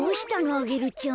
アゲルちゃん。